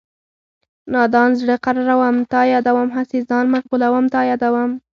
نادان زړه قراروم تا یادوم هسې ځان مشغولوم تا یادوم